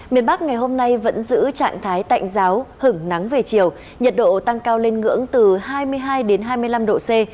miền bắc ngày hôm nay vẫn giữ trạng thái tạnh giáo hứng nắng về chiều nhiệt độ tăng cao lên ngưỡng từ hai mươi hai đến hai mươi năm độ c